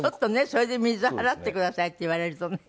それで水払ってくださいって言われるとね。